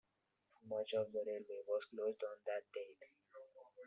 Much of the railway was closed on that date.